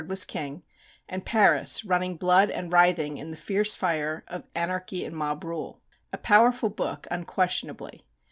was king, and Paris running blood and writhing in the fierce fire of anarchy and mob rule. A powerful book, unquestionably.